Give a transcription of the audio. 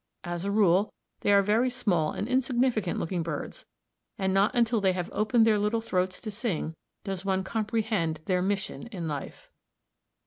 As a rule they are very small and insignificant looking birds, and not until they have opened their little throats to sing, does one comprehend their mission in life.